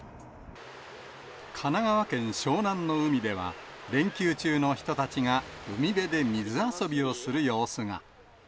神奈川県湘南の海では、連休中の人たちが海辺で水遊びをする様子が。